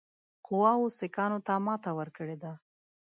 قواوو سیکهانو ته ماته ورکړې ده.